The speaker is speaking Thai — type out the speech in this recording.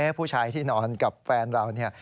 ผู้ชายที่นอนกับแฟนเราเนี่ย